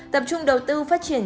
tập trung đầu tư phát triển